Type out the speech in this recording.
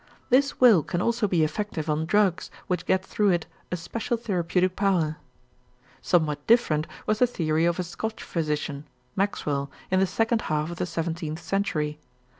This will can also be effective on drugs which get through it a special therapeutic power. Somewhat different was the theory of a Scotch physician, Maxwell, in the second half of the seventeenth century.